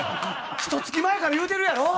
ひとつき前から言うてるやろ。